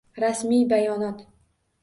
Rasmiy bayonot